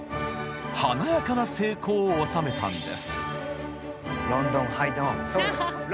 華やかな成功を収めたんです。